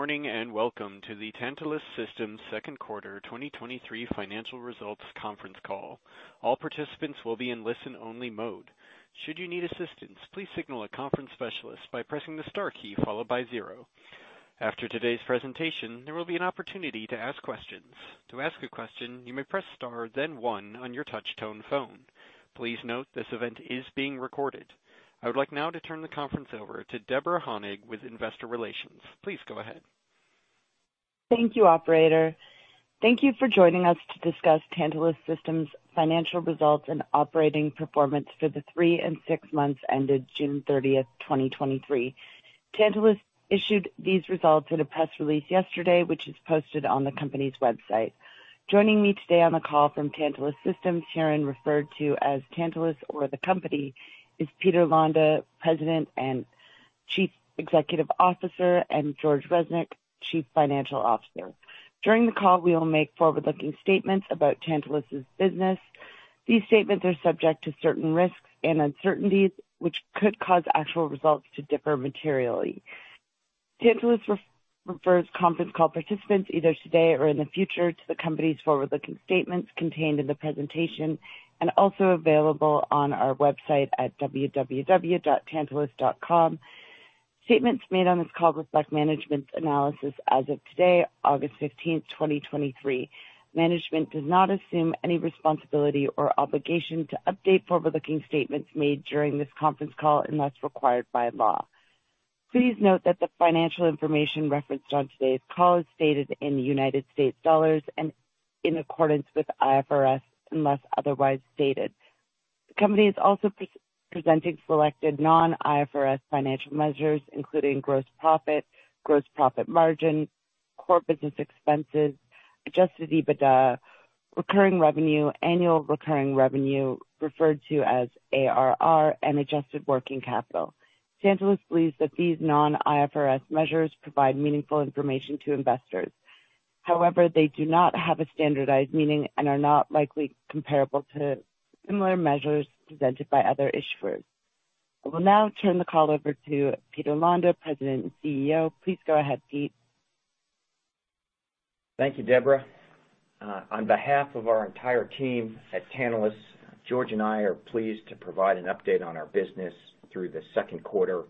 Good morning. Welcome to the Tantalus Systems Q2 2023 financial results conference call. All participants will be in listen-only mode. Should you need assistance, please signal a conference specialist by pressing the star key followed by 0. After today's presentation, there will be an opportunity to ask questions. To ask a question, you may press star then 1 on your touch-tone phone. Please note, this event is being recorded. I would like now to turn the conference over to Deborah Honig with Investor Relations. Please go ahead. Thank you, operator. Thank you for joining us to discuss Tantalus Systems' financial results and operating performance for the three and six months ended June 30, 2023. Tantalus issued these results in a press release yesterday, which is posted on the company's website. Joining me today on the call from Tantalus Systems, herein referred to as Tantalus or the company, is Peter Londa, President and Chief Executive Officer, and George Reznik, Chief Financial Officer. During the call, we will make forward-looking statements about Tantalus' business. These statements are subject to certain risks and uncertainties, which could cause actual results to differ materially. Tantalus refers conference call participants, either today or in the future, to the company's forward-looking statements contained in the presentation and also available on our website at www.tantalus.com. Statements made on this call reflect management's analysis as of today, August 15, 2023. Management does not assume any responsibility or obligation to update forward-looking statements made during this conference call unless required by law. Please note that the financial information referenced on today's call is stated in United States dollars and in accordance with IFRS, unless otherwise stated. The company is also presenting selected non-IFRS financial measures, including gross profit, gross profit margin, core business expenses, adjusted EBITDA, recurring revenue, annual recurring revenue, referred to as ARR, and adjusted working capital. Tantalus believes that these non-IFRS measures provide meaningful information to investors. However, they do not have a standardized meaning and are not likely comparable to similar measures presented by other issuers. I will now turn the call over to Peter Londa, President and CEO. Please go ahead, Peter. Thank you, Deborah. On behalf of our entire team at Tantalus, George and I are pleased to provide an update on our business through the Q2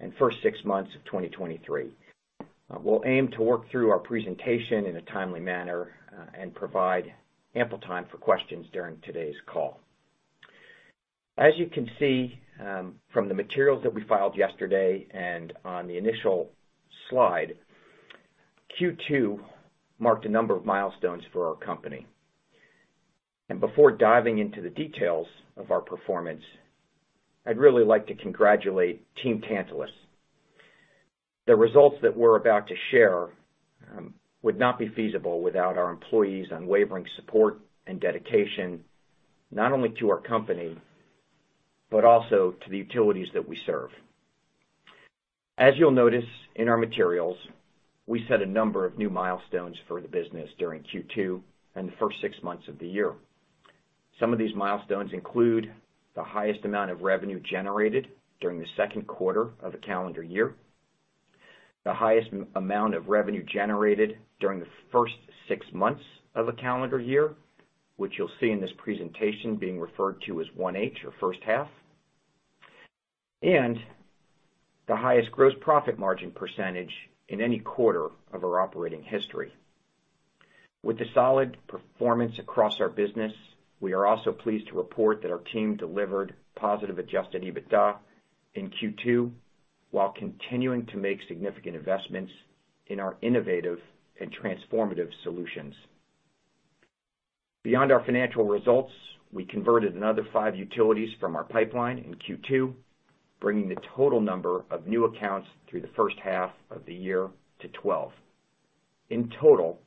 and 1st 6 months of 2023. We'll aim to work through our presentation in a timely manner and provide ample time for questions during today's call. As you can see, from the materials that we filed yesterday and on the initial slide, Q2 marked a number of milestones for our company. Before diving into the details of our performance, I'd really like to congratulate Team Tantalus. The results that we're about to share would not be feasible without our employees' unwavering support and dedication, not only to our company, but also to the utilities that we serve. As you'll notice in our materials, we set a number of new milestones for the business during Q2 and the first six months of the year. Some of these milestones include the highest amount of revenue generated during the Q2 of a calendar year, the highest amount of revenue generated during the first six months of a calendar year, which you'll see in this presentation being referred to as 1H or H1, and the highest gross profit margin % in any quarter of our operating history. With the solid performance across our business, we are also pleased to report that our team delivered positive adjusted EBITDA in Q2, while continuing to make significant investments in our innovative and transformative solutions. Beyond our financial results, we converted another five utilities from our pipeline in Q2, bringing the total number of new accounts through the H1 of the year to 12. In total,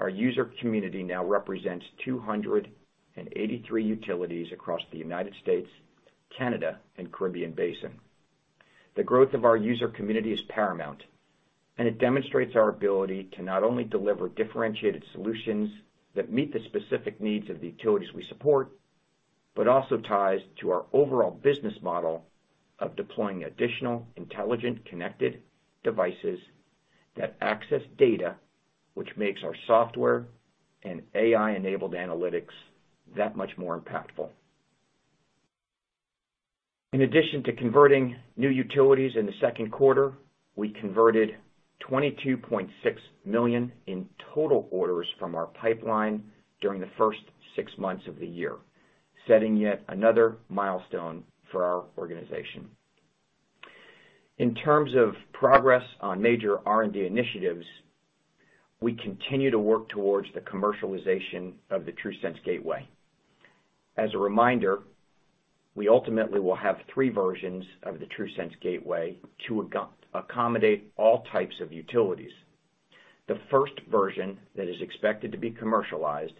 our user community now represents 283 utilities across the United States, Canada, and Caribbean Basin. The growth of our user community is paramount, and it demonstrates our ability to not only deliver differentiated solutions that meet the specific needs of the utilities we support, but also ties to our overall business model of deploying additional intelligent, connected devices that access data, which makes our software and AI-enabled analytics that much more impactful. In addition to converting new utilities in the Q2, we converted $22.6 million in total orders from our pipeline during the first six months of the year, setting yet another milestone for our organization. In terms of progress on major R&D initiatives, we continue to work towards the commercialization of the TRUSense Gateway. As a reminder, we ultimately will have three versions of the TRUSense Gateway to accommodate all types of utilities. The first version that is expected to be commercialized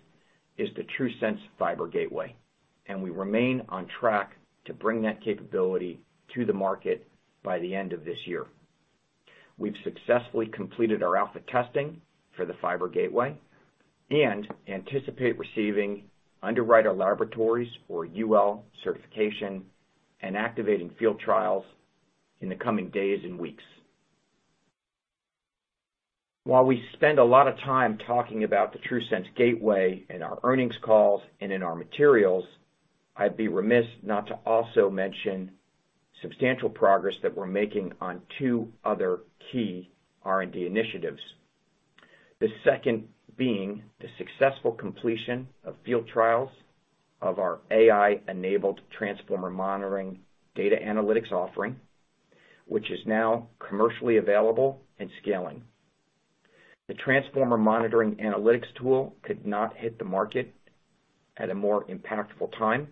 is the TRUSense Fiber Gateway, and we remain on track to bring that capability to the market by the end of this year. We've successfully completed our alpha testing for the Fiber Gateway, and anticipate receiving Underwriters Laboratories, or UL, certification and activating field trials in the coming days and weeks. While we spend a lot of time talking about the TRUSense Gateway in our earnings calls and in our materials, I'd be remiss not to also mention substantial progress that we're making on two other key R&D initiatives. The second being the successful completion of field trials of our AI-enabled transformer monitoring data analytics offering, which is now commercially available and scaling. The transformer monitoring analytics tool could not hit the market at a more impactful time,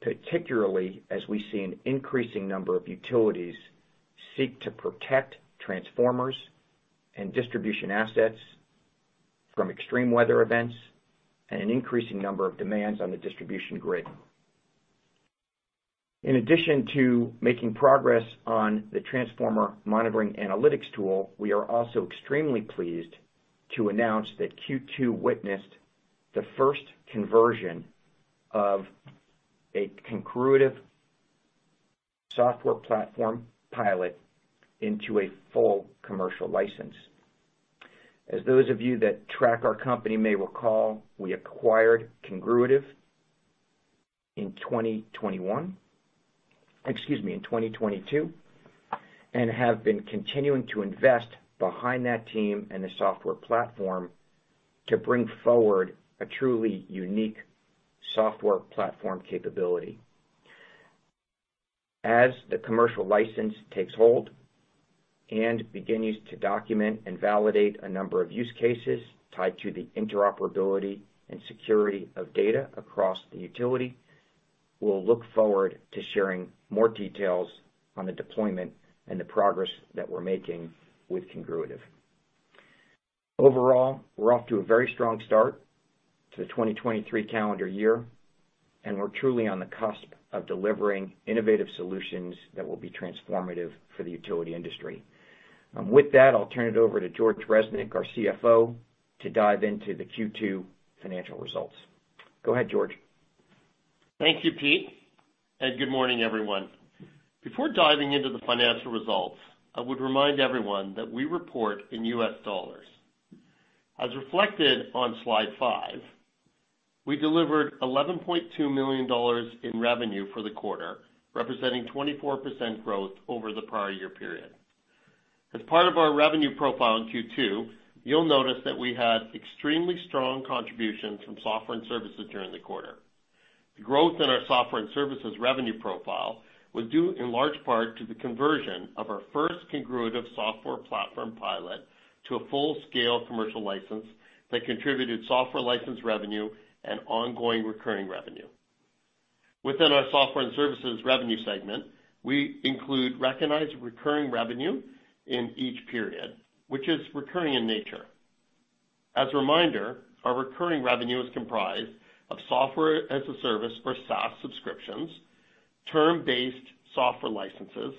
particularly as we see an increasing number of utilities seek to protect transformers and distribution assets from extreme weather events and an increasing number of demands on the distribution grid. In addition to making progress on the transformer monitoring analytics tool, we are also extremely pleased to announce that Q2 witnessed the first conversion of a Congruitive software platform pilot into a full commercial license. As those of you that track our company may recall, we acquired Congruitive in 2021, excuse me, in 2022, and have been continuing to invest behind that team and the software platform to bring forward a truly unique software platform capability. As the commercial license takes hold and begins to document and validate a number of use cases tied to the interoperability and security of data across the utility, we'll look forward to sharing more details on the deployment and the progress that we're making with Congruitive. Overall, we're off to a very strong start to the 2023 calendar year, and we're truly on the cusp of delivering innovative solutions that will be transformative for the utility industry. With that, I'll turn it over to George Reznik, our CFO, to dive into the Q2 financial results. Go ahead, George. Thank you, Peter. Good morning, everyone. Before diving into the financial results, I would remind everyone that we report in US dollars. As reflected on slide 5, we delivered $11.2 million in revenue for the quarter, representing 24% growth over the prior-year period. As part of our revenue profile in Q2, you'll notice that we had extremely strong contributions from software and services during the quarter. The growth in our software and services revenue profile was due in large part to the conversion of our first Congruitive software platform pilot to a full-scale commercial license that contributed software license revenue and ongoing recurring revenue. Within our software and services revenue segment, we include recognized recurring revenue in each period, which is recurring in nature. As a reminder, our recurring revenue is comprised of Software as a Service for SaaS subscriptions, term-based software licenses,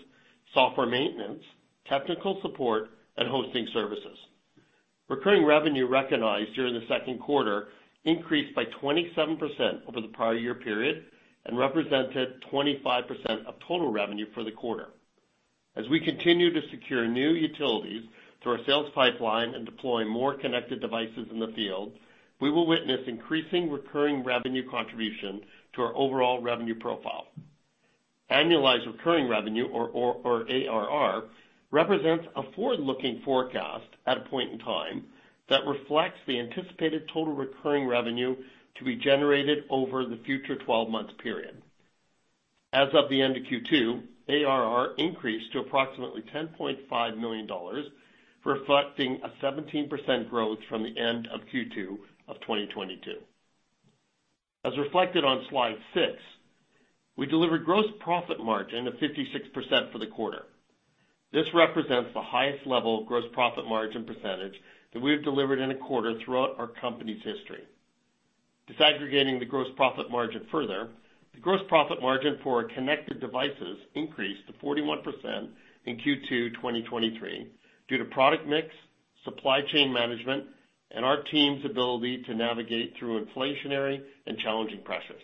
software maintenance, technical support, and hosting services. Recurring revenue recognized during the Q2 increased by 27% over the prior year period and represented 25% of total revenue for the quarter. As we continue to secure new utilities through our sales pipeline and deploy more connected devices in the field, we will witness increasing recurring revenue contribution to our overall revenue profile. Annualized recurring revenue, or ARR, represents a forward-looking forecast at a point in time that reflects the anticipated total recurring revenue to be generated over the future 12-month period. As of the end of Q2, ARR increased to approximately $10.5 million, reflecting a 17% growth from the end of Q2 of 2022. As reflected on Slide 6, we delivered gross profit margin of 56% for the quarter. This represents the highest level of gross profit margin percentage that we have delivered in a quarter throughout our company's history. Disaggregating the gross profit margin further, the gross profit margin for our connected devices increased to 41% in Q2 2023, due to product mix, supply chain management, and our team's ability to navigate through inflationary and challenging pressures.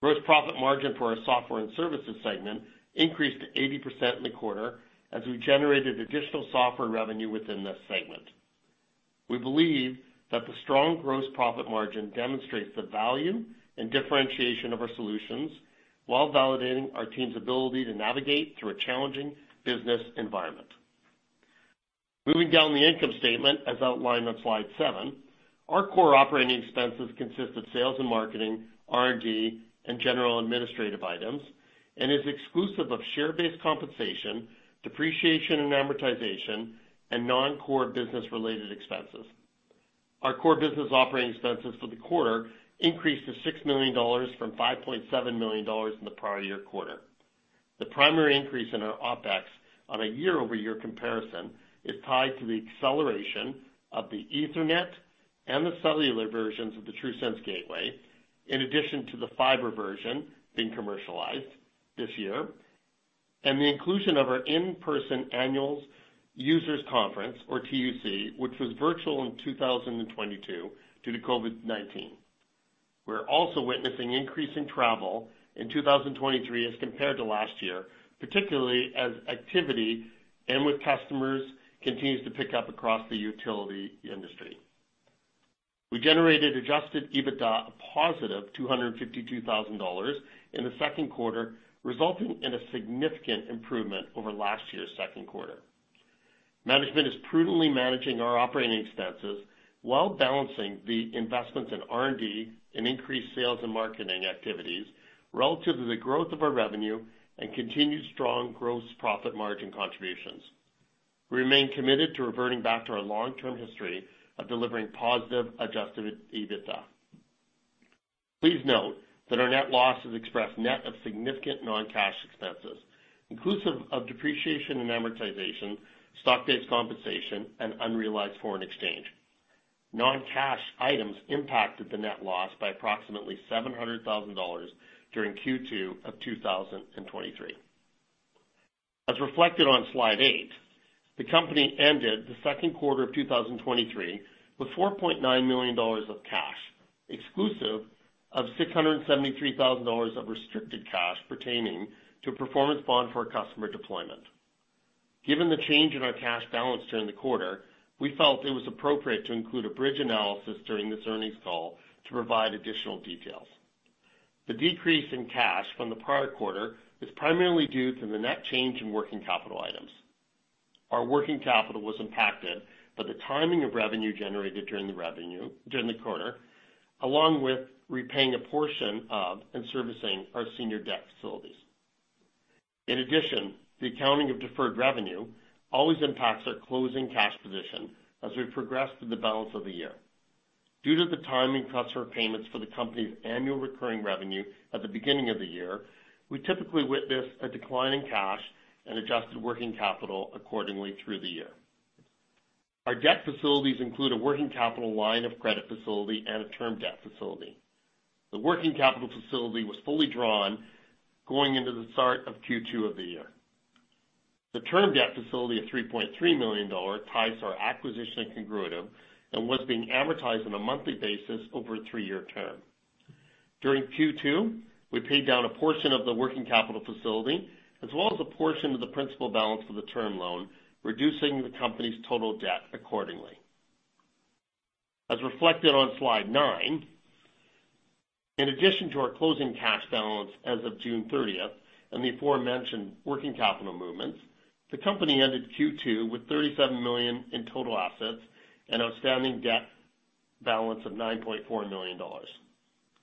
Gross profit margin for our software and services segment increased to 80% in the quarter as we generated additional software revenue within this segment. We believe that the strong gross profit margin demonstrates the value and differentiation of our solutions, while validating our team's ability to navigate through a challenging business environment. Moving down the income statement, as outlined on slide seven, our core operating expenses consist of sales and marketing, R&D, and general administrative items, and is exclusive of share-based compensation, depreciation and amortization, and non-core business-related expenses. Our core business operating expenses for the quarter increased to $6 million from $5.7 million in the prior year quarter. The primary increase in our OpEx on a year-over-year comparison is tied to the acceleration of the ethernet and the cellular versions of the TRUSense Gateway, in addition to the fiber version being commercialized this year. The inclusion of our in-person Annual Users Conference, or TUC, which was virtual in 2022 due to COVID-19. We're also witnessing increasing travel in 2023 as compared to last year, particularly as activity with customers continues to pick up across the utility industry. We generated adjusted EBITDA, a positive $252,000 in the Q2, resulting in a significant improvement over last year's Q2. Management is prudently managing our operating expenses while balancing the investments in R&D and increased sales and marketing activities relative to the growth of our revenue and continued strong gross profit margin contributions. We remain committed to reverting back to our long-term history of delivering positive adjusted EBITDA. Please note that our net loss is expressed net of significant non-cash expenses, inclusive of depreciation and amortization, stock-based compensation, and unrealized foreign exchange. Non-cash items impacted the net loss by approximately $700,000 during Q2 of 2023. As reflected on Slide 8, the company ended the Q2 of 2023 with $4.9 million of cash, exclusive of $673,000 of restricted cash pertaining to a performance bond for a customer deployment. Given the change in our cash balance during the quarter, we felt it was appropriate to include a bridge analysis during this earnings call to provide additional details. The decrease in cash from the prior quarter is primarily due to the net change in working capital items. Our working capital was impacted by the timing of revenue generated during the revenue during the quarter, along with repaying a portion of and servicing our senior debt facilities. In addition, the accounting of deferred revenue always impacts our closing cash position as we progress through the balance of the year. Due to the timing of customer payments for the company's annual recurring revenue at the beginning of the year, we typically witness a decline in cash and adjusted working capital accordingly through the year. Our debt facilities include a working capital line of credit facility and a term debt facility. The working capital facility was fully drawn going into the start of Q2 of the year. The term debt facility of $3.3 million ties our acquisition in Congruitive and was being amortized on a monthly basis over a three-year term. During Q2, we paid down a portion of the working capital facility, as well as a portion of the principal balance of the term loan, reducing the company's total debt accordingly. As reflected on Slide 9, in addition to our closing cash balance as of June 30th and the aforementioned working capital movements, the company ended Q2 with CAD 37 million in total assets and outstanding debt balance of CAD 9.4 million.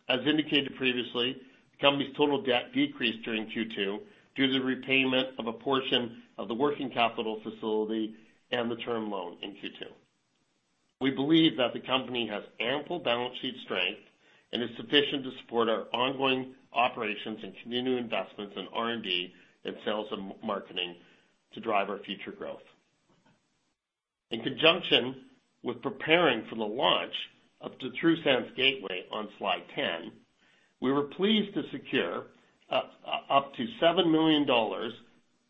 As indicated previously, the company's total debt decreased during Q2 due to the repayment of a portion of the working capital facility and the term loan in Q2. We believe that the company has ample balance sheet strength and is sufficient to support our ongoing operations and continued investments in R&D and sales and marketing to drive our future growth. In conjunction with preparing for the launch of the TRUSense Gateway on Slide 10, we were pleased to secure up to 7 million dollars,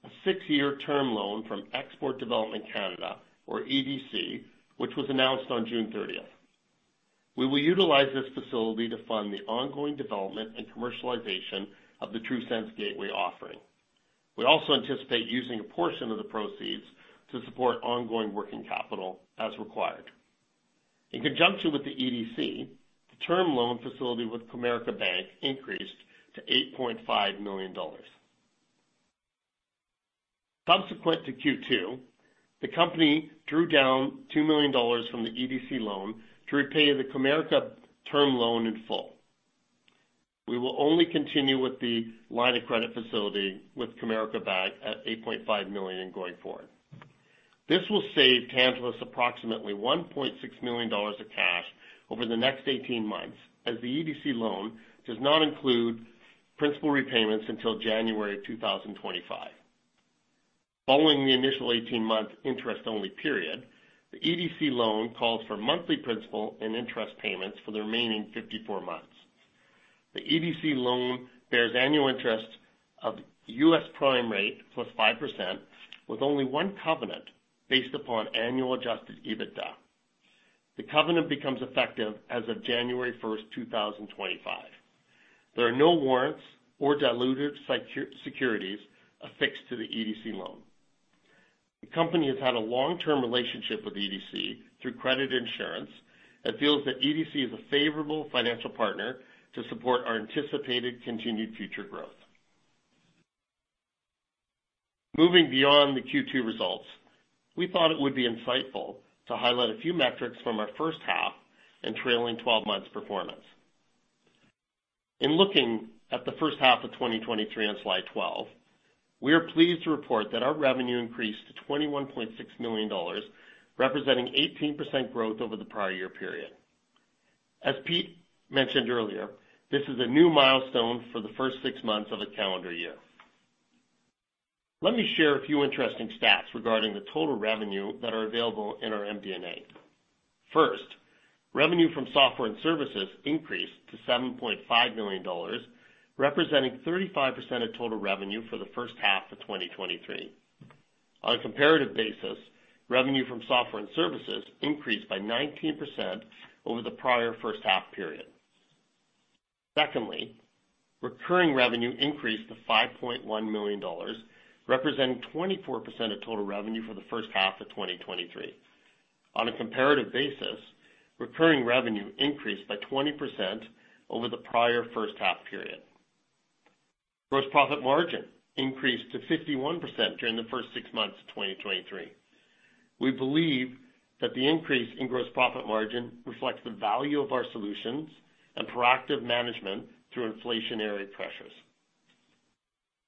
a six-year term loan from Export Development Canada, or EDC, which was announced on June 30th. We will utilize this facility to fund the ongoing development and commercialization of the TRUSense Gateway offering. We also anticipate using a portion of the proceeds to support ongoing working capital as required. In conjunction with the EDC, the term loan facility with Comerica Bank increased to $8.5 million. Subsequent to Q2, the company drew down $2 million from the EDC loan to repay the Comerica term loan in full. We will only continue with the line of credit facility with Comerica Bank at $8.5 million going forward. This will save Tantalus approximately $1.6 million of cash over the next 18 months, as the EDC loan does not include principal repayments until January 2025. Following the initial 18-month interest-only period, the EDC loan calls for monthly principal and interest payments for the remaining 54 months. The EDC loan bears annual interest of US prime rate plus 5%, with only one covenant based upon annual adjusted EBITDA. The covenant becomes effective as of January 1st, 2025. There are no warrants or diluted securities affixed to the EDC loan. The company has had a long-term relationship with EDC through credit insurance and feels that EDC is a favorable financial partner to support our anticipated continued future growth. Moving beyond the Q2 results, we thought it would be insightful to highlight a few metrics from our H1 and trailing 12 months performance. In looking at the H1 of 2023 on Slide 12, we are pleased to report that our revenue increased to $21.6 million, representing 18% growth over the prior year period. As Pete mentioned earlier, this is a new milestone for the first six months of a calendar year. Let me share a few interesting stats regarding the total revenue that are available in our MD&A. First, revenue from software and services increased to $7.5 million, representing 35% of total revenue for the H1 of 2023. On a comparative basis, revenue from software and services increased by 19% over the prior H1 period. Secondly, recurring revenue increased to $5.1 million, representing 24% of total revenue for the H1 of 2023. On a comparative basis, recurring revenue increased by 20% over the prior H1 period. Gross profit margin increased to 51% during the first six months of 2023. We believe that the increase in gross profit margin reflects the value of our solutions and proactive management through inflationary pressures.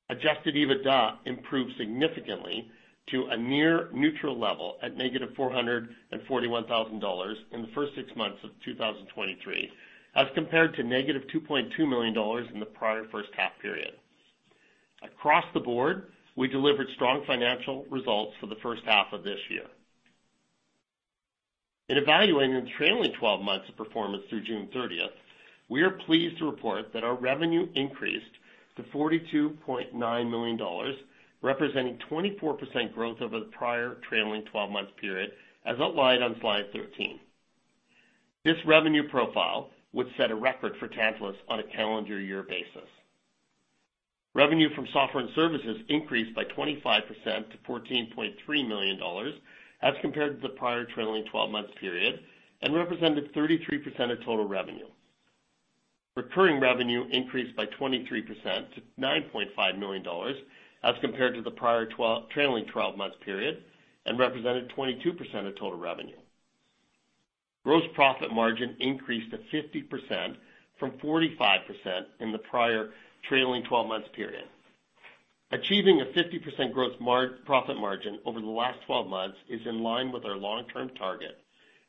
adjusted EBITDA improved significantly to a near neutral level at negative $441,000 in the first 6 months of 2023, as compared to negative $2.2 million in the prior H1 period. Across the board, we delivered strong financial results for the H1 of this year. In evaluating the trailing 12 months of performance through June 30th, we are pleased to report that our revenue increased to $42.9 million, representing 24% growth over the prior trailing 12-month period, as outlined on slide 13. This revenue profile would set a record for Tantalus on a calendar year basis. Revenue from software and services increased by 25% to $14.3 million as compared to the prior trailing 12-month period and represented 33% of total revenue. Recurring revenue increased by 23% to $9.5 million as compared to the prior trailing 12-month period and represented 22% of total revenue. Gross profit margin increased to 50% from 45% in the prior trailing 12-month period. Achieving a 50% gross profit margin over the last 12 months is in line with our long-term target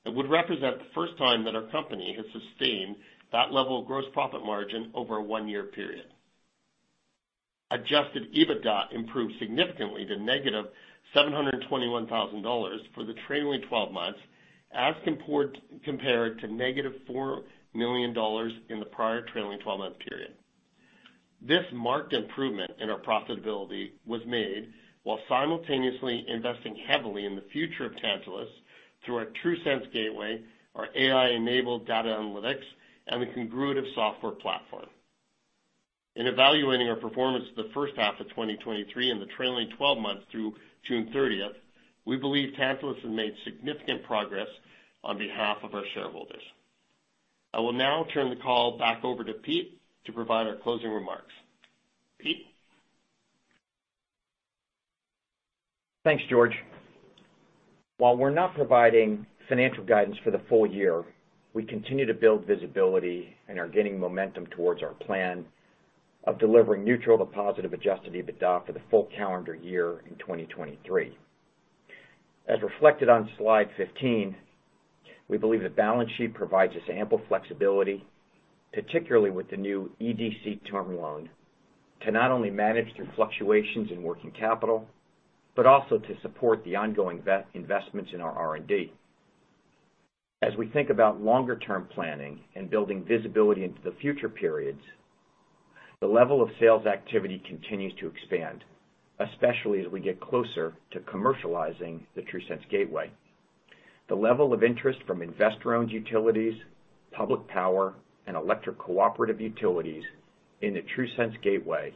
and would represent the first time that our company has sustained that level of gross profit margin over a one-year period. Adjusted EBITDA improved significantly to negative $721,000 for the trailing 12 months, as compared to negative $4 million in the prior trailing 12-month period. This marked improvement in our profitability was made while simultaneously investing heavily in the future of Tantalus through our TRUSense Gateway, our AI-enabled data analytics, and the Congruitive software platform. In evaluating our performance for the H1 of 2023 and the trailing 12 months through June 30th, we believe Tantalus has made significant progress on behalf of our shareholders. I will now turn the call back over to Peter to provide our closing remarks. Peter? Thanks, George. While we're not providing financial guidance for the full year, we continue to build visibility and are gaining momentum towards our plan of delivering neutral to positive adjusted EBITDA for the full calendar year in 2023. As reflected on slide 15, we believe the balance sheet provides us ample flexibility, particularly with the new EDC term loan, to not only manage through fluctuations in working capital, but also to support the ongoing investments in our R&D. As we think about longer-term planning and building visibility into the future periods, the level of sales activity continues to expand, especially as we get closer to commercializing the TRUSense Gateway. The level of interest from investor-owned utilities, public power, and electric cooperative utilities in the TRUSense Gateway,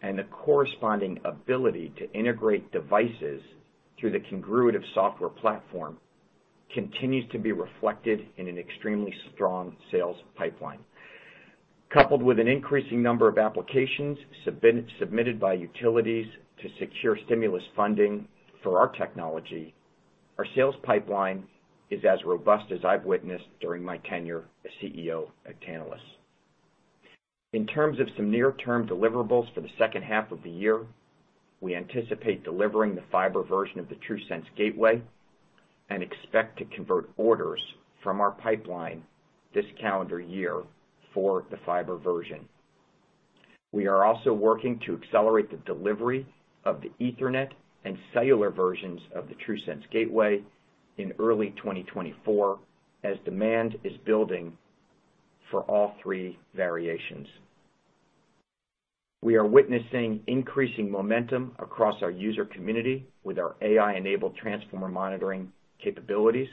and the corresponding ability to integrate devices through the Congruitive software platform, continues to be reflected in an extremely strong sales pipeline. Coupled with an increasing number of applications submitted by utilities to secure stimulus funding for our technology, our sales pipeline is as robust as I've witnessed during my tenure as CEO at Tantalus. In terms of some near-term deliverables for the H2 of the year, we anticipate delivering the fiber version of the TRUSense Gateway and expect to convert orders from our pipeline this calendar year for the fiber version. We are also working to accelerate the delivery of the Ethernet and cellular versions of the TRUSense Gateway in early 2024, as demand is building for all 3 variations. We are witnessing increasing momentum across our user community with our AI-enabled transformer monitoring capabilities,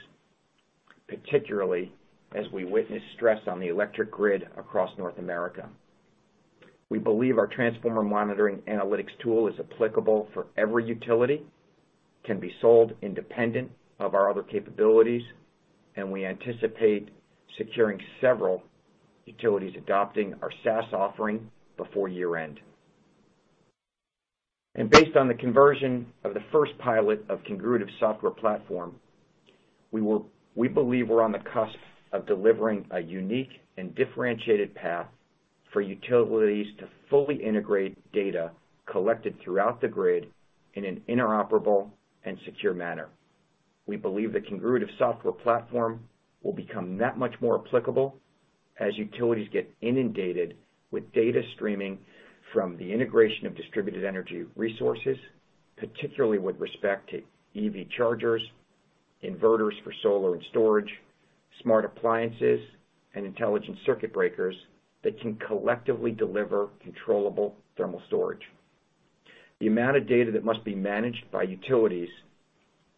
particularly as we witness stress on the electric grid across North America. We believe our transformer monitoring analytics tool is applicable for every utility, can be sold independent of our other capabilities, we anticipate securing several utilities adopting our SaaS offering before year-end. Based on the conversion of the first pilot of Congruitive's software platform, we believe we're on the cusp of delivering a unique and differentiated path for utilities to fully integrate data collected throughout the grid in an interoperable and secure manner. We believe the Congruitive software platform will become that much more applicable as utilities get inundated with data streaming from the integration of distributed energy resources, particularly with respect to EV chargers, inverters for solar and storage, smart appliances, and intelligent circuit breakers that can collectively deliver controllable thermal storage. The amount of data that must be managed by utilities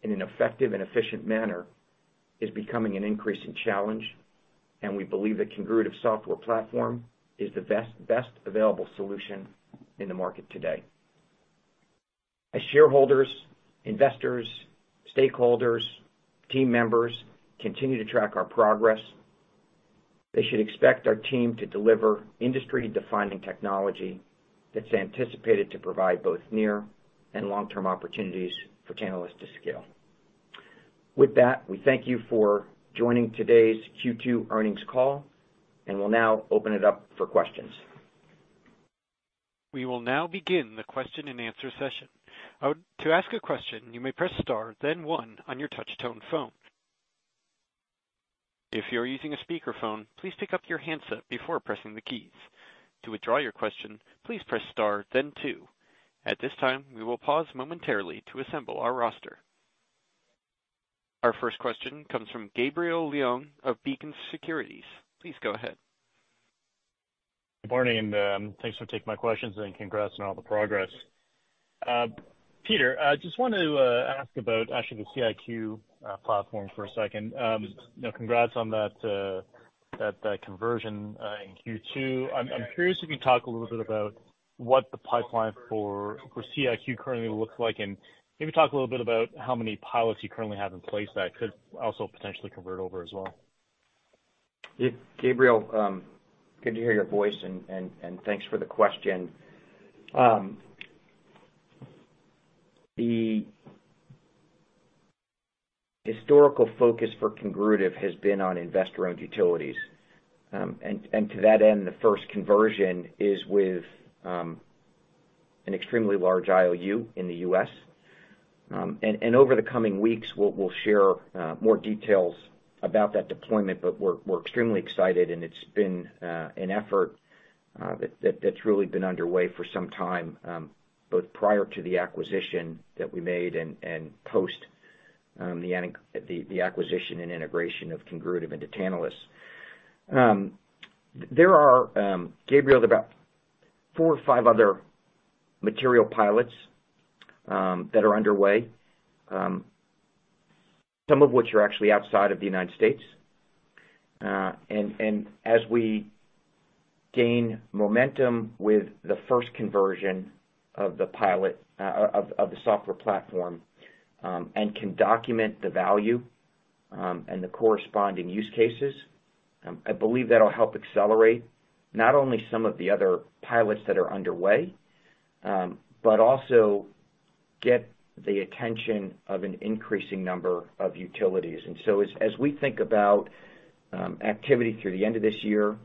in an effective and efficient manner is becoming an increasing challenge, and we believe the Congruitive software platform is the best, best available solution in the market today. As shareholders, investors, stakeholders, team members continue to track our progress, they should expect our team to deliver industry-defining technology that's anticipated to provide both near and long-term opportunities for Tantalus to scale. With that, we thank you for joining today's Q2 earnings call, and we'll now open it up for questions. We will now begin the question-and-answer session. I would- to ask a question, you may press star, then one on your touch tone phone. If you're using a speakerphone, please pick up your handset before pressing the keys. To withdraw your question, please press star then two. At this time, we will pause momentarily to assemble our roster. Our first question comes from Gabriel Leung of Beacon Securities. Please go ahead. Good morning, and thanks for taking my questions, and congrats on all the progress. Peter, I just wanted to ask about actually the C.IQ platform for a second. You know, congrats on that, that conversion in Q2. I'm, I'm curious if you talk a little bit about what the pipeline for, for C.IQ currently looks like, and maybe talk a little bit about how many pilots you currently have in place that could also potentially convert over as well. Gabriel, good to hear your voice and, and, and thanks for the question. The historical focus for Congruitive has been on investor-owned utilities. And, and to that end, the first conversion is with an extremely large IOU in the U.S. And, and over the coming weeks, we'll, we'll share more details about that deployment, but we're, we're extremely excited, and it's been an effort that, that, that's really been underway for some time, both prior to the acquisition that we made and, and post the acquisition and integration of Congruitive into Tantalus. There are, Gabriel, about 4 or 5 other material pilots that are underway, some of which are actually outside of the United States. As we gain momentum with the first conversion of the pilot, of, of the software platform, and can document the value, and the corresponding use cases, I believe that'll help accelerate not only some of the other pilots that are underway, but also get the attention of an increasing number of utilities. As, as we think about activity through the end of this year,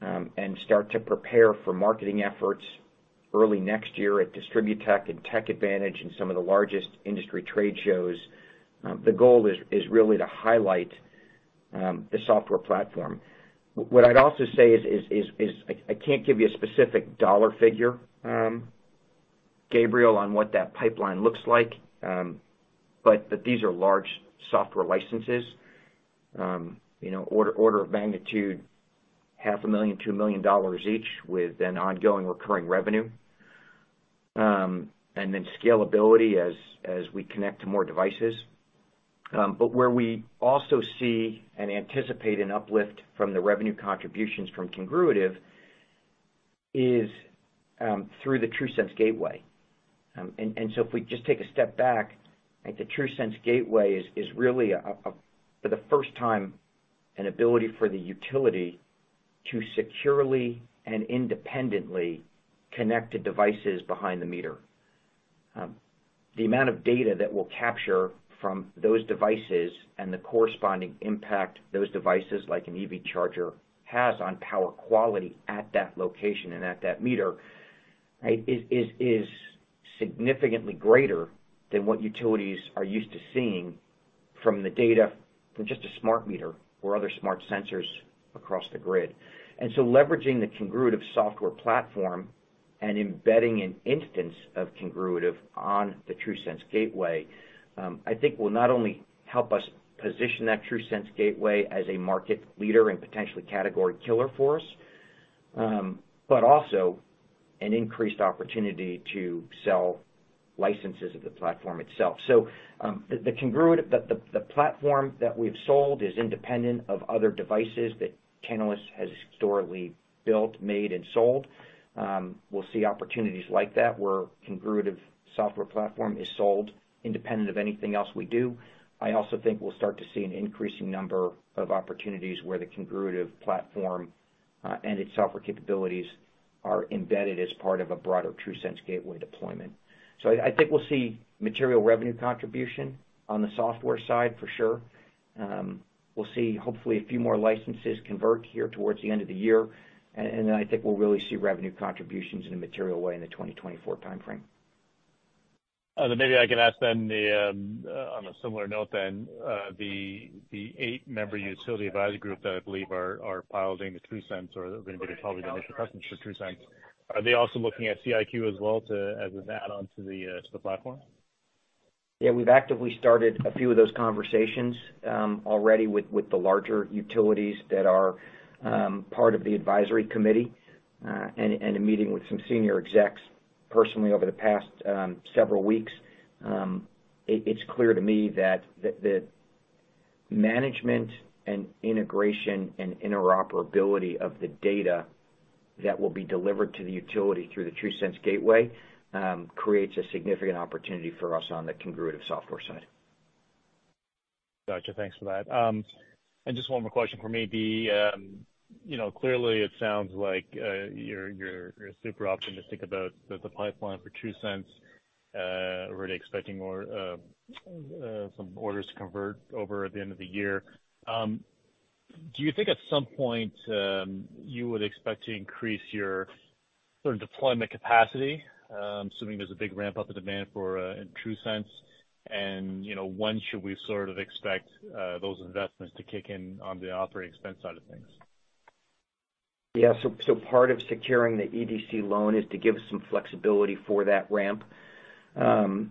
and start to prepare for marketing efforts early next year at DistribuTECH and TechAdvantage, and some of the largest industry trade shows, the goal is, is really to highlight the software platform. What I'd also say is, is, is, is I, I can't give you a specific dollar figure, Gabriel, on what that pipeline looks like. But these are large software licenses, you know, order, order of magnitude, $500,000 to $1 million each, with an ongoing recurring revenue, and then scalability as, as we connect to more devices. Where we also see and anticipate an uplift from the revenue contributions from Congruitive is, through the TRUSense Gateway. And so if we just take a step back, right, the TRUSense Gateway is, is really a, a, for the first time, an ability for the utility to securely and independently connect to devices behind the meter. The amount of data that we'll capture from those devices and the corresponding impact those devices, like an EV charger, has on power quality at that location and at that meter, right, is, is, is significantly greater than what utilities are used to seeing from the data from just a smart meter or other smart sensors across the grid. Leveraging the Congruitive software platform and embedding an instance of Congruitive on the TRUSense Gateway, I think will not only help us position that TRUSense Gateway as a market leader and potentially category killer for us, but also an increased opportunity to sell licenses of the platform itself. The, the Congruitive, the, the, the platform that we've sold is independent of other devices that Tantalus has historically built, made, and sold. We'll see opportunities like that, where Congruitive software platform is sold independent of anything else we do. I also think we'll start to see an increasing number of opportunities where the Congruitive platform and its software capabilities are embedded as part of a broader TRUSense Gateway deployment. I, I think we'll see material revenue contribution on the software side for sure. We'll see hopefully a few more licenses convert here towards the end of the year, then I think we'll really see revenue contributions in a material way in the 2024 timeframe.... maybe I can ask then the, on a similar note then, the, the eight-member utility advisory group that I believe are, are piloting the TRUSense or are going to be the pilot initial customers for TRUSense, are they also looking at C.IQ as well to, as an add-on to the, to the platform? Yeah, we've actively started a few of those conversations, already with, with the larger utilities that are, part of the advisory committee. In meeting with some senior execs personally over the past, several weeks, it, it's clear to me that the, the management and integration and interoperability of the data that will be delivered to the utility through the TRUSense Gateway, creates a significant opportunity for us on the Congruitive software side. Gotcha, thanks for that. Just one more question for me. The, you know, clearly it sounds like you're, you're, you're super optimistic about the pipeline for TRUSense, already expecting more some orders to convert over at the end of the year. Do you think at some point, you would expect to increase your sort of deployment capacity, assuming there's a big ramp up in demand for in TRUSense, and, you know, when should we sort of expect those investments to kick in on the operating expense side of things? Yeah, so part of securing the EDC loan is to give us some flexibility for that ramp. I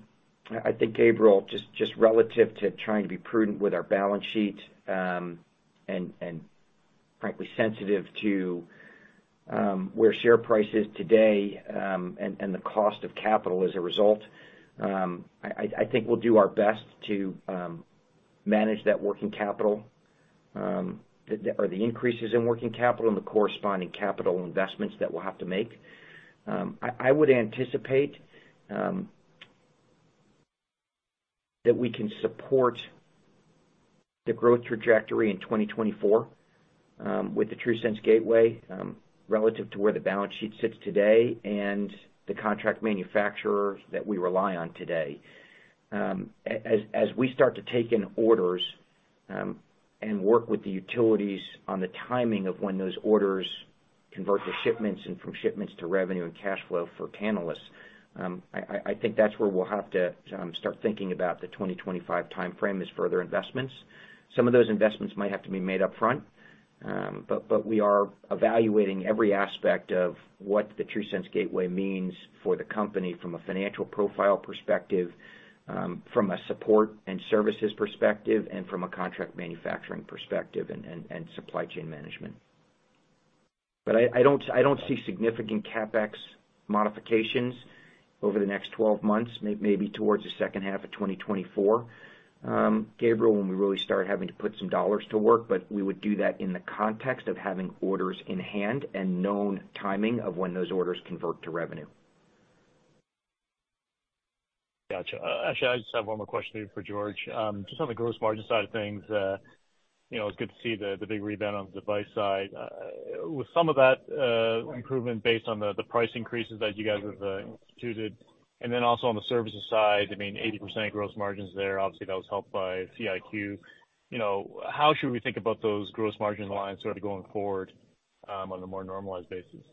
think, Gabriel, just, just relative to trying to be prudent with our balance sheet, and, and frankly, sensitive to, where share price is today, and, and the cost of capital as a result, I, I think we'll do our best to, manage that working capital, or the increases in working capital and the corresponding capital investments that we'll have to make. I, I would anticipate, that we can support the growth trajectory in 2024, with the TRUSense Gateway, relative to where the balance sheet sits today and the contract manufacturer that we rely on today. As, as we start to take in orders, and work with the utilities on the timing of when those orders convert to shipments and from shipments to revenue and cash flow for Tantalus, I, I, I think that's where we'll have to start thinking about the 2025 timeframe as further investments. Some of those investments might have to be made upfront. But, but we are evaluating every aspect of what the TRUSense Gateway means for the company from a financial profile perspective, from a support and services perspective, and from a contract manufacturing perspective, and, and, and supply chain management. I, I don't, I don't see significant CapEx modifications over the next 12 months, may- maybe towards the H2 of 2024, Gabriel, when we really start having to put some dollars to work, but we would do that in the context of having orders in hand and known timing of when those orders convert to revenue. Gotcha. Actually, I just have one more question for George. Just on the gross margin side of things, you know, it's good to see the, the big rebound on the device side. Was some of that improvement based on the, the price increases that you guys have instituted? And then also on the services side, I mean, 80% gross margins there, obviously, that was helped by C.IQ. You know, how should we think about those gross margin lines sort of going forward, on a more normalized basis?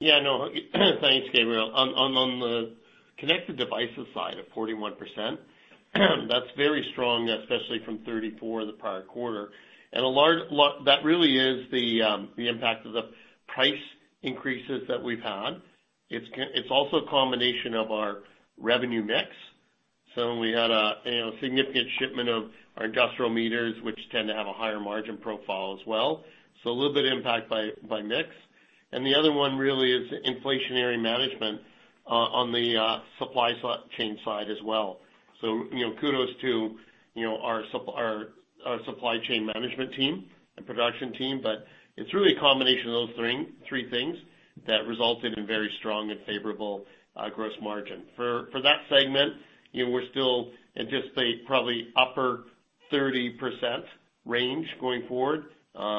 Yeah, no, thanks, Gabriel. On, on, on the connected devices side of 41%, that's very strong, especially from 34 the prior quarter. A large that really is the impact of the price increases that we've had. It's also a combination of our revenue mix. We had a, you know, significant shipment of our industrial meters, which tend to have a higher margin profile as well. A little bit of impact by, by mix. The other one really is inflationary management on the supply chain side as well. You know, kudos to, you know, our supply chain management team and production team, but it's really a combination of those three, three things that resulted in very strong and favorable gross margin. For, for that segment, you know, we're still at just a probably upper 30% range going forward.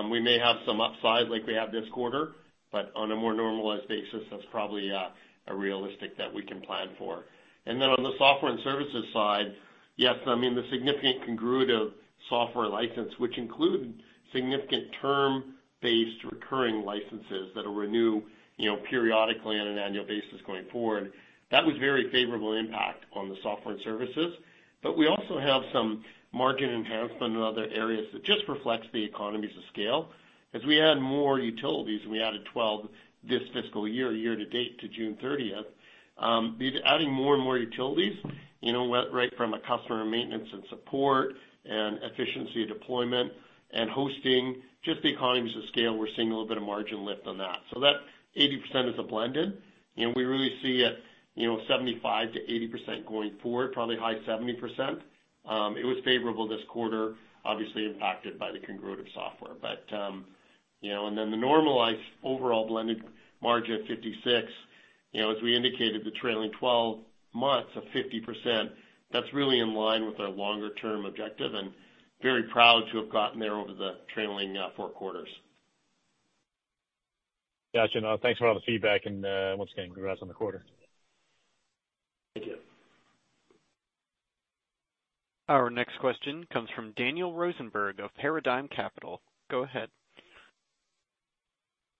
We may have some upside like we have this quarter, but on a more normalized basis, that's probably, a realistic that we can plan for. On the software and services side, yes, I mean, the significant Congruitive software license, which included significant term-based recurring licenses that will renew, you know, periodically on an annual basis going forward, that was very favorable impact on the software and services. We also have some margin enhancement in other areas that just reflects the economies of scale. As we add more utilities, we added 12 this fiscal year, year to date to June 30th, the adding more and more utilities, you know, went right from a customer maintenance and support and efficiency deployment and hosting, just the economies of scale, we're seeing a little bit of margin lift on that. That 80% is a blended, and we really see it, you know, 75% to 80% going forward, probably high 70%. It was favorable this quarter, obviously impacted by the Congruitive software. You know, and then the normalized overall blended margin at 56%, you know, as we indicated, the trailing 12 months of 50%, that's really in line with our longer-term objective, and very proud to have gotten there over the trailing Q4. Gotcha. Thanks for all the feedback and, once again, congrats on the quarter. Thank you. Our next question comes from Daniel Rosenberg of Paradigm Capital. Go ahead.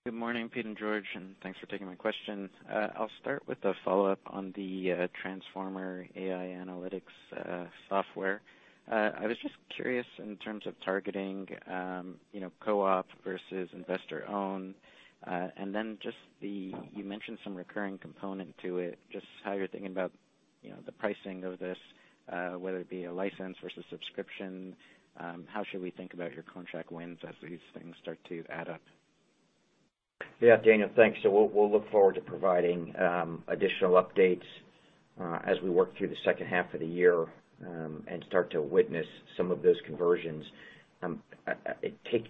Good morning, Peter and George, and thanks for taking my question. I'll start with a follow-up on the transformer AI analytics software. I was just curious in terms of targeting, you know, co-op versus investor-owned. You mentioned some recurring component to it, just how you're thinking about, you know, the pricing of this, whether it be a license versus subscription. How should we think about your contract wins as these things start to add up? Yeah, Daniel, thanks. We'll, we'll look forward to providing additional updates as we work through the H2 of the year and start to witness some of those conversions.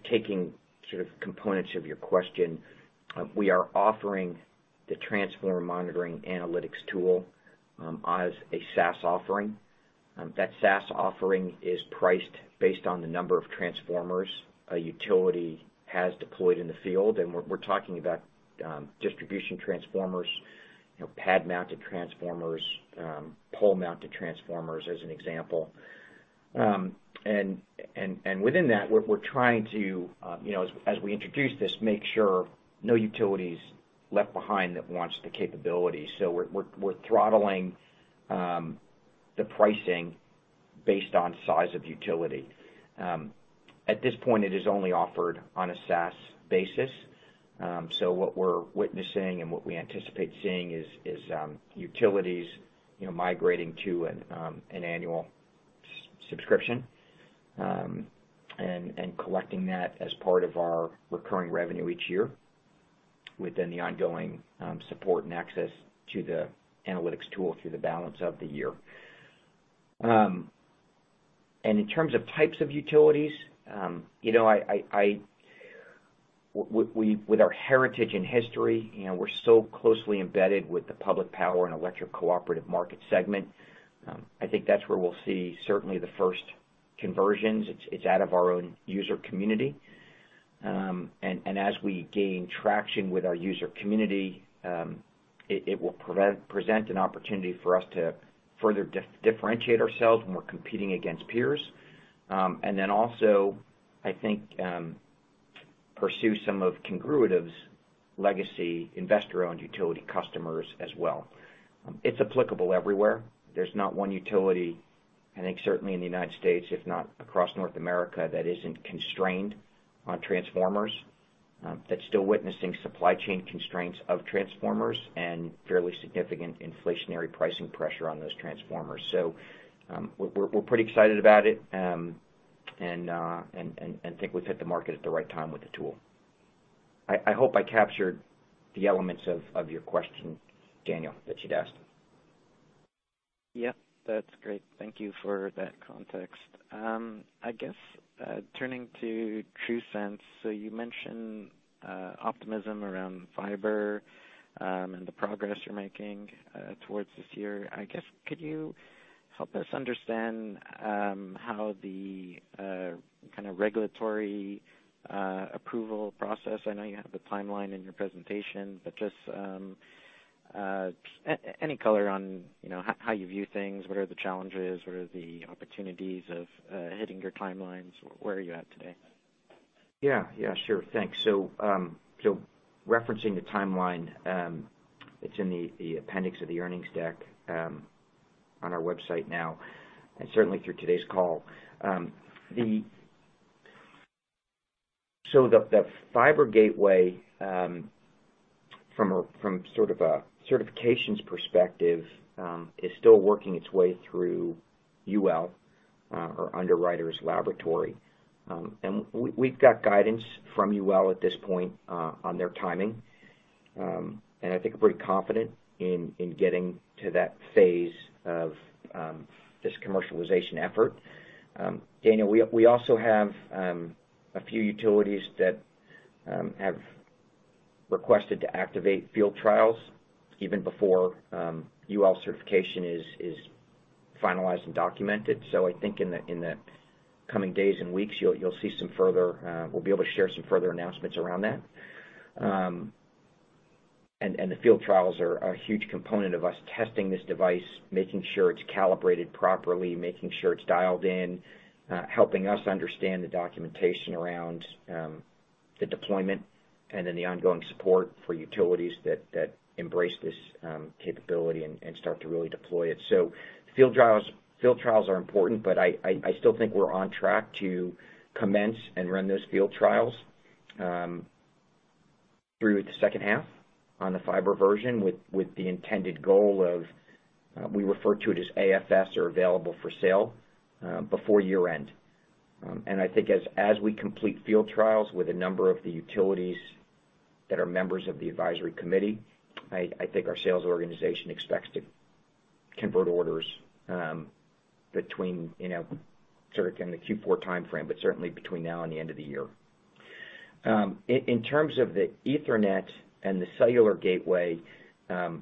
Taking sort of components of your question, we are offering the transformer monitoring analytics tool as a SaaS offering. That SaaS offering is priced based on the number of transformers a utility has deployed in the field, and we're, we're talking about distribution transformers, you know, pad-mounted transformers, pole-mounted transformers, as an example. And within that, we're, we're trying to, you know, as, as we introduce this, make sure no utility's left behind that wants the capability. We're, we're, we're throttling the pricing based on size of utility. At this point, it is only offered on a SaaS basis. What we're witnessing and what we anticipate seeing, utilities, you know, migrating to an annual subscription, and collecting that as part of our recurring revenue each year within the ongoing support and access to the analytics tool through the balance of the year. In terms of types of utilities, you know, with our heritage and history, you know, we're so closely embedded with the public power and electric cooperative market segment, I think that's where we'll see certainly the first conversions. It's, it's out of our own user community. As we gain traction with our user community, it will present an opportunity for us to further differentiate ourselves when we're competing against peers. Also, I think, pursue some of Congruitive's legacy investor-owned utility customers as well. It's applicable everywhere. There's not one utility, I think, certainly in the United States, if not across North America, that isn't constrained on transformers, that's still witnessing supply chain constraints of transformers and fairly significant inflationary pricing pressure on those transformers. We're, we're pretty excited about it, and think we've hit the market at the right time with the tool. I, I hope I captured the elements of, of your question, Daniel, that you'd asked. Yeah, that's great. Thank you for that context. I guess, turning to TRUSense, so you mentioned optimism around fiber, and the progress you're making towards this year. I guess, could you help us understand how the kind of regulatory approval process, I know you have the timeline in your presentation, but just any color on, you know, how, how you view things? What are the challenges? What are the opportunities of hitting your timelines? Where are you at today? Yeah. Yeah, sure. Thanks. Referencing the timeline, it's in the, the appendix of the earnings deck, on our website now, and certainly through today's call. The fiber gateway, from a, from sort of a certifications perspective, is still working its way through UL, or Underwriters Laboratories. We've got guidance from UL at this point, on their timing, and I think we're pretty confident in, in getting to that phase of, this commercialization effort. Daniel, we, we also have, a few utilities that, have requested to activate field trials even before, UL certification is, is finalized and documented. I think in the, in the coming days and weeks, you'll see some further, we'll be able to share some further announcements around that. And, and the field trials are a huge component of us testing this device, making sure it's calibrated properly, making sure it's dialed in, helping us understand the documentation around the deployment and then the ongoing support for utilities that, that embrace this capability and, and start to really deploy it. Field trials, field trials are important, but I, I, I still think we're on track to commence and run those field trials through the H2 on the fiber version, with, with the intended goal of, we refer to it as AFS, or available for sale, before year-end. I think as, as we complete field trials with a number of the utilities that are members of the advisory committee, I, I think our sales organization expects to convert orders, between, you know, sort of in the Q4 timeframe, but certainly between now and the end of the year. In, in terms of the Ethernet and the cellular gateway, the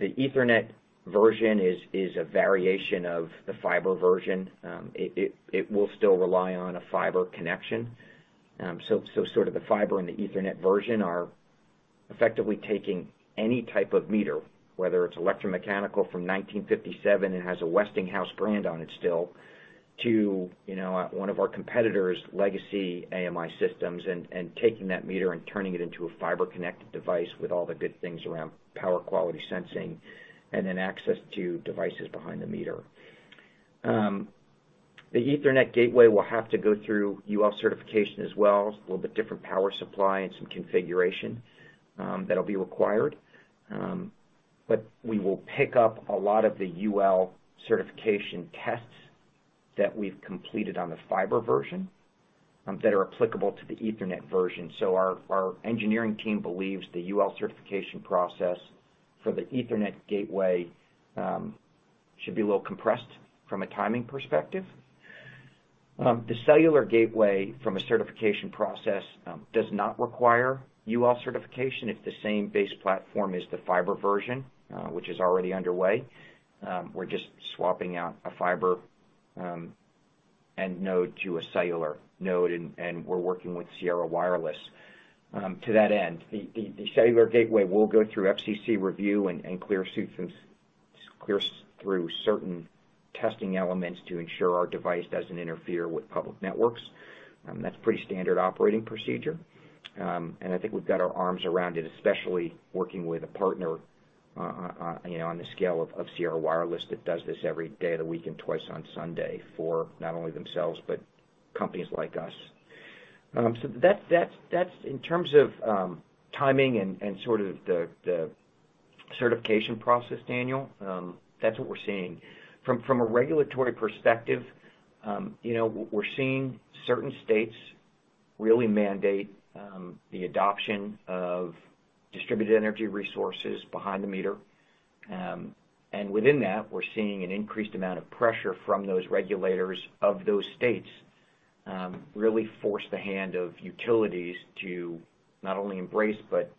Ethernet version is, is a variation of the fiber version. It, it, it will still rely on a fiber connection. So sort of the fiber and the Ethernet version are-... effectively taking any type of meter, whether it's electromechanical from 1957 and has a Westinghouse brand on it still, to, you know, one of our competitors' legacy AMI systems, and, and taking that meter and turning it into a fiber-connected device with all the good things around power quality sensing and then access to devices behind the meter. The Ethernet gateway will have to go through UL certification as well. It's a little bit different power supply and some configuration that'll be required. But we will pick up a lot of the UL certification tests that we've completed on the fiber version that are applicable to the Ethernet version. So our, our engineering team believes the UL certification process for the Ethernet gateway should be a little compressed from a timing perspective. The cellular gateway, from a certification process, does not require UL certification. It's the same base platform as the fiber version, which is already underway. We're just swapping out a fiber end node to a cellular node, and we're working with Sierra Wireless. To that end, the cellular gateway will go through FCC review and clear through certain testing elements to ensure our device doesn't interfere with public networks. That's pretty standard operating procedure. And I think we've got our arms around it, especially working with a partner, you know, on the scale of Sierra Wireless that does this every day of the week and twice on Sunday for not only themselves, but companies like us. That, that's, that's in terms of timing and, and sort of the, the certification process, Daniel, that's what we're seeing. From, from a regulatory perspective, you know, we're seeing certain states really mandate the adoption of distributed energy resources behind the meter. Within that, we're seeing an increased amount of pressure from those regulators of those states, really force the hand of utilities to not only embrace, but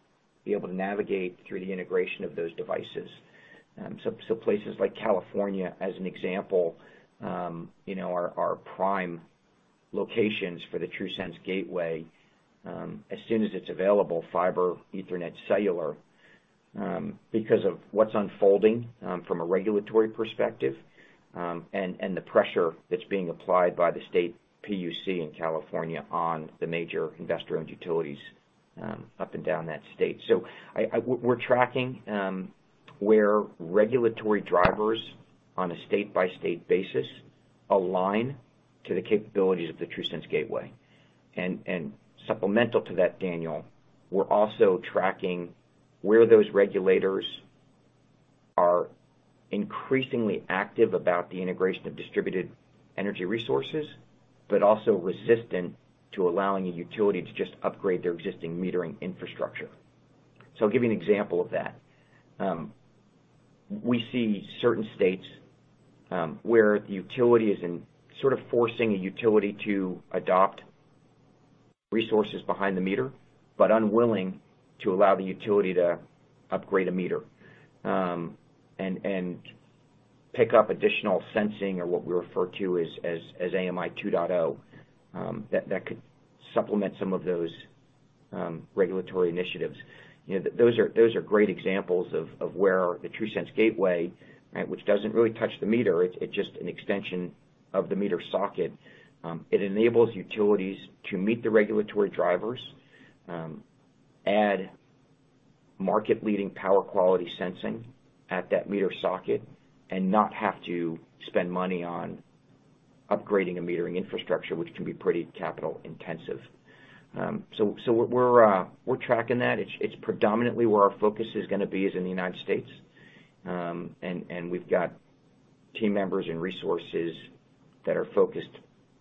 be able to navigate through the integration of those devices. places like California, as an example, you know, are, are prime locations for the TRUSense Gateway, as soon as it's available, fiber, Ethernet, cellular, because of what's unfolding from a regulatory perspective, and the pressure that's being applied by the state PUC in California on the major investor-owned utilities, up and down that state. We're tracking where regulatory drivers on a state-by-state basis align to the capabilities of the TRUSense Gateway. Supplemental to that, Daniel, we're also tracking where those regulators are increasingly active about the integration of distributed energy resources, but also resistant to allowing a utility to just upgrade their existing metering infrastructure. I'll give you an example of that. We see certain states where the utility is in, sort of forcing a utility to adopt resources behind the meter, but unwilling to allow the utility to upgrade a meter, and pick up additional sensing or what we refer to as AMI 2.0, that could supplement some of those regulatory initiatives. You know, those are great examples of where the TRUSense Gateway, right, which doesn't really touch the meter, it's just an extension of the meter socket. It enables utilities to meet the regulatory drivers, add market-leading power quality sensing at that meter socket, and not have to spend money on upgrading a metering infrastructure, which can be pretty capital intensive. So we're tracking that. It's predominantly where our focus is gonna be is in the United States. We've got team members and resources that are focused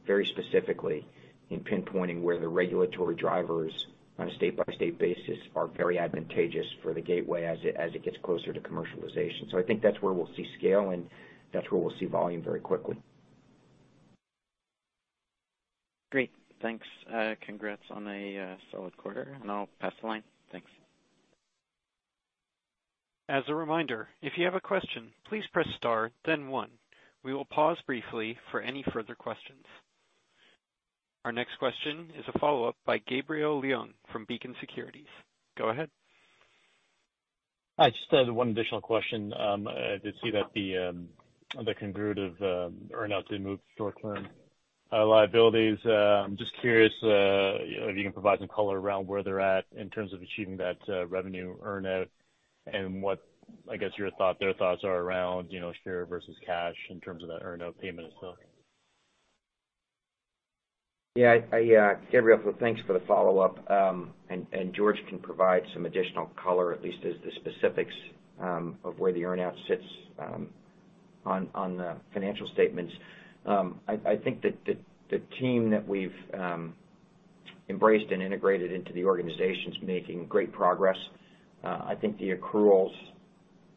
very specifically in pinpointing where the regulatory drivers on a state-by-state basis are very advantageous for the gateway as it, as it gets closer to commercialization. I think that's where we'll see scale, and that's where we'll see volume very quickly. Great. Thanks. congrats on a solid quarter, and I'll pass the line. Thanks. As a reminder, if you have a question, please press star then one. We will pause briefly for any further questions. Our next question is a follow-up by Gabriel Leung from Beacon Securities. Go ahead. Hi, just one additional question. I did see that the the Congruitive earn-out to move short-term liabilities. I'm just curious if you can provide some color around where they're at in terms of achieving that revenue earn-out and what, I guess, your thought, their thoughts are around, you know, share versus cash in terms of that earn-out payment as well? Yeah, I, Gabriel, thanks for the follow-up. George can provide some additional color, at least as the specifics of where the earn-out sits on the financial statements. I, I think that the, the team that we've embraced and integrated into the organization is making great progress. I think the accruals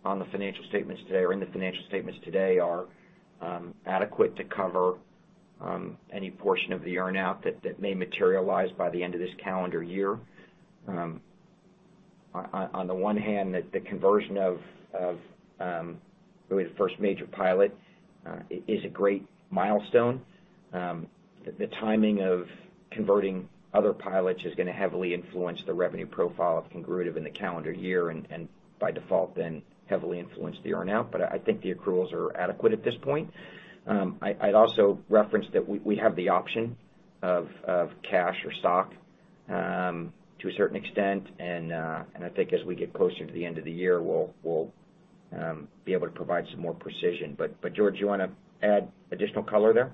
on the financial statements today, or in the financial statements today, are adequate to cover any portion of the earn-out that, that may materialize by the end of this calendar year. On, on, on the one hand, the, the conversion of, of... Really, the first major pilot is a great milestone. The, the timing of converting other pilots is gonna heavily influence the revenue profile of Congruitive in the calendar year, and by default, then heavily influence the earn-out. I, I think the accruals are adequate at this point. I, I'd also reference that we, we have the option of, of cash or stock, to a certain extent, and, and I think as we get closer to the end of the year, we'll, we'll, be able to provide some more precision. George, you wanna add additional color there?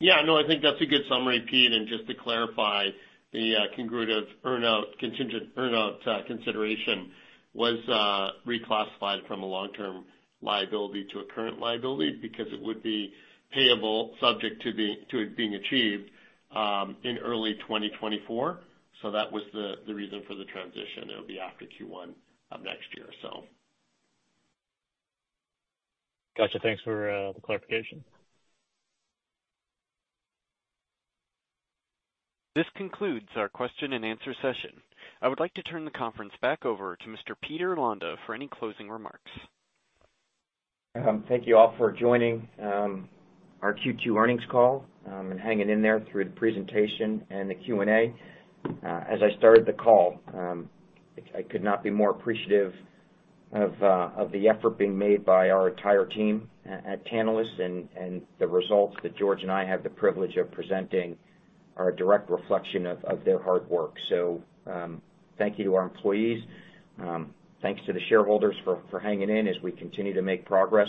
Yeah, no, I think that's a good summary, Peter. Just to clarify, the Congruitive earn-out, contingent earn-out, consideration was reclassified from a long-term liability to a current liability because it would be payable, subject to it being achieved, in early 2024. That was the, the reason for the transition. It'll be after Q1 of next year, so. Gotcha. Thanks for the clarification. This concludes our question-and-answer session. I would like to turn the conference back over to Mr. Peter Londa for any closing remarks. Thank you all for joining our Q2 earnings call, hanging in there through the presentation and the Q&A. As I started the call, I could not be more appreciative of the effort being made by our entire team at Tantalus, and the results that George and I have the privilege of presenting are a direct reflection of their hard work. Thank you to our employees. Thanks to the shareholders for hanging in as we continue to make progress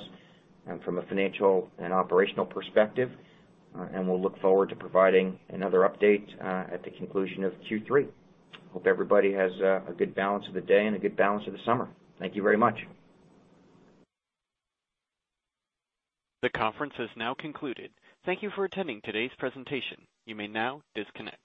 from a financial and operational perspective, we'll look forward to providing another update at the conclusion of Q3. Hope everybody has a good balance of the day and a good balance of the summer. Thank you very much. The conference has now concluded. Thank you for attending today's presentation. You may now disconnect.